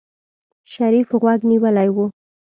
شريف غوږ نيولی و.